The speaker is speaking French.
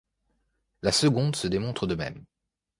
La seconde se démontre de même.